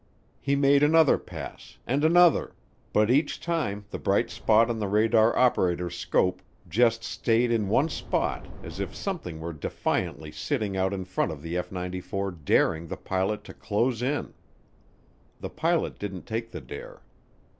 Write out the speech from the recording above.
He made another pass, and another, but each time the bright spot on the radar operator's scope just stayed in one spot as if something were defiantly sitting out in front of the F 94 daring the pilot to close in. The pilot didn't take the dare.